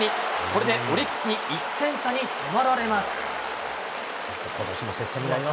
これでオリックスに１点差に迫られます。